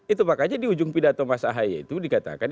itu makanya di ujung pidato mas ahaye itu dikatakan